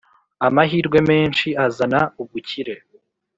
amahirwe menshi azana ubukire